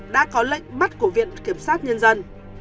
đã có lệnh bắt của viện kiểm sát nhân dân